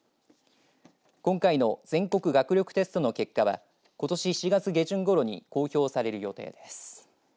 今回の全国学力テストの結果はことし７月下旬ごろに公表される予定です。